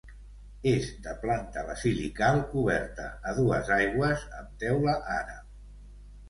És de planta basilical coberta a dues aigües amb teula àrab.